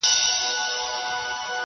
د سیالانو په ټولۍ کي یې تول سپک سي،